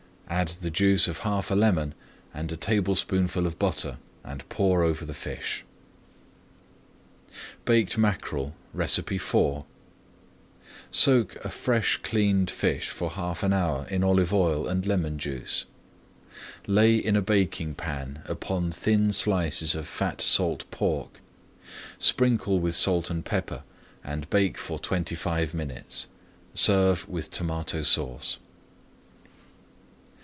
Add the juice of half a lemon and a tablespoonful of butter, and pour over the fish. BAKED MACKEREL IV Soak a fresh cleaned fish for half an hour in olive oil and lemon juice. Lay in a baking pan upon thin slices of fat salt pork, sprinkle with salt and pepper, and bake for twenty five minutes. Serve with Tomato Sauce.